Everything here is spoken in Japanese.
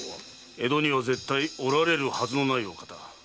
江戸には絶対居られるはずのないお方。